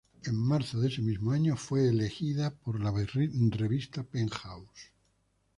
En marzo de ese mismo año fue elegida de la revista "Penthouse".